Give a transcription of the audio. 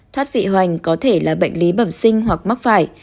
thoát vị hoành có thể là bệnh lý bẩm sinh hoặc mắc phải